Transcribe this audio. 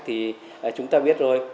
thì chúng ta biết rồi